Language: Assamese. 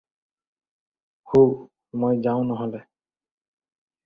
হুঁ, মই যাওঁ নহ'লে।